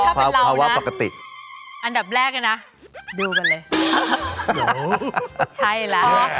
เพราะว่าปกตินะอันดับแรกน่ะดูกันเลยใช่แล้ว